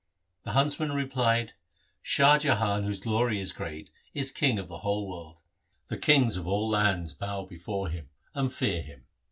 The huntsman replied, ' Shah Jahan whose glory is great, is king of the whole world. The kings of all lands bow before him, and fear him.